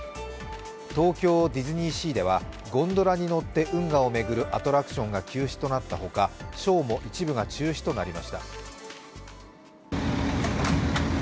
東京ディズニーシーではゴンドラに乗って運河を巡るアトラクションが休止となったほかショーも一部が中止となりました。